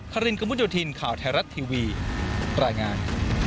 คารินกัมพุทธินทร์ข่าวไทยรัฐทีวีรายงาน